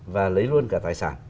và lấy luôn cả tài sản